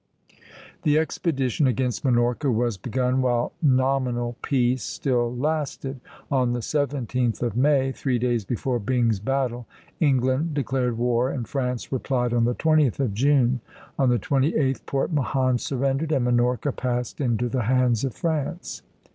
The expedition against Minorca was begun while nominal peace still lasted. On the 17th of May, three days before Byng's battle, England declared war, and France replied on the 20th of June. On the 28th, Port Mahon surrendered, and Minorca passed into the hands of France.